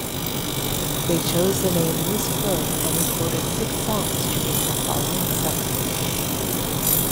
They chose the name Loose Fur, and recorded six songs during the following summer.